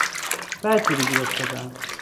بدجوری گیر افتادهام.